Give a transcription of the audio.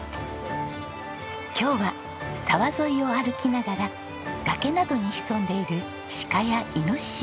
今日は沢沿いを歩きながら崖などに潜んでいるシカやイノシシを探します。